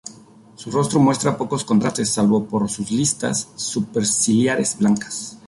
Su rostro muestra pocos contrastes salvo por sus listas superciliares blancas.